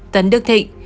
tấn đức thịnh